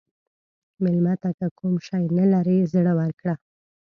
مېلمه ته که کوم شی نه لرې، زړه ورکړه.